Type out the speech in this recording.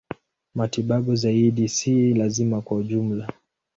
Matibabu zaidi si lazima kwa ujumla.